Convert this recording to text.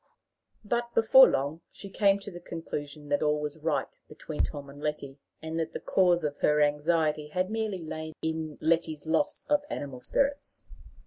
But before long she came to the conclusion that all was right between Tom and Letty, and that the cause of her anxiety had lain merely in Letty's loss of animal spirits.